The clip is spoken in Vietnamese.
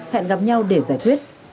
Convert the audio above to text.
hẹn gặp nhau để giải quyết